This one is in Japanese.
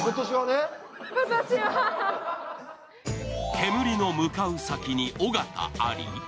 煙の向かう先に尾形あり。